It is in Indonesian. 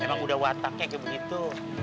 emang udah watak kayak gitu gitu